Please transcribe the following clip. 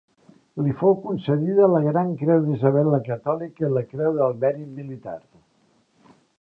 Li fou concedida la Gran Creu d'Isabel la Catòlica i la Creu del Mèrit Militar.